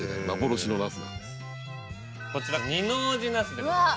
こちら二王子なすでございます。